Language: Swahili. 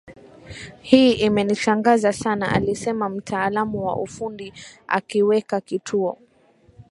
Hii imenishangaza sana alisema mtaalamu wa ufundi akiweka kituo